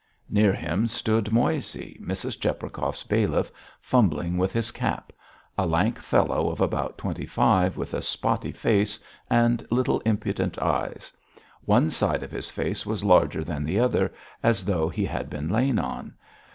Near him stood Moissey, Mrs. Cheprakov's bailiff, fumbling with his cap; a lank fellow of about twenty five, with a spotty face and little, impudent eyes; one side of his face was larger than the other as though he had been lain on.